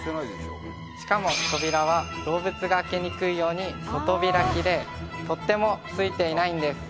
しかも扉は動物が開けにくいように外開きで取っ手もついていないんです